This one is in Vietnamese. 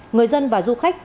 người dân và du khách